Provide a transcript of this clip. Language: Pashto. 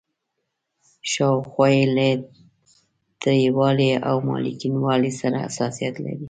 شاوخوا یې له تریوالي او مالګینوالي سره حساسیت لري.